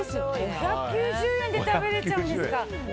５９０円で食べられちゃうんですか！